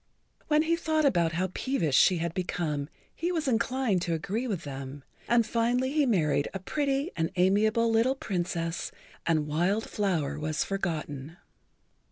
When he thought over how peevish she had become he was inclined to agree with them, and finally he married a pretty and amiable little Princess and Wild Flower was forgotten.